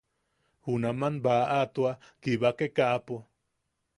Junam baʼa tua kibakekaʼapo.